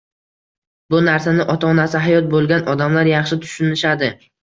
Bu narsani ota-onasi hayot bo‘lgan odamlar yaxshi tushunishadi